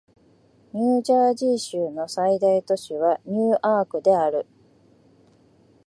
ニュージャージー州の最大都市はニューアークである